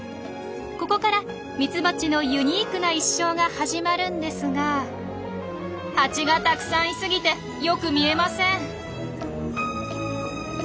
ここからミツバチのユニークな一生が始まるんですがハチがたくさんいすぎてよく見えません。